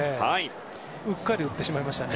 うっかり打ってしまいましたね。